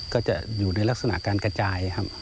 ก็จะอยู่ในลักษณะการกระจายครับ